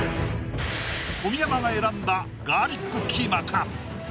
小宮山が選んだガーリックキーマか？